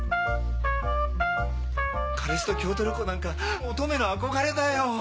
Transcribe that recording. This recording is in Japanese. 彼氏と京都旅行なんか乙女の憧れだよ。